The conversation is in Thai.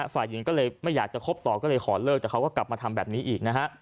ฝ่ายหญิงก็เลยไม่อยากจะคบต่อก็เลยขอเลิกแต่เขาก็กลับมาทำแบบนี้อีกนะฮะ